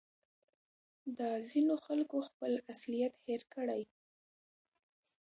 دا ځینو خلکو خپل اصلیت هېر کړی